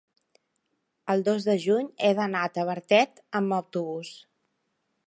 el dos de juny he d'anar a Tavertet amb autobús.